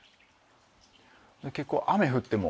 結構雨降っても。